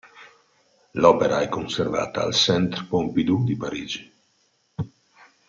L'opera è conservata al Centre Pompidou di Parigi.